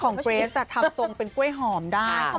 เกรสทำทรงเป็นกล้วยหอมได้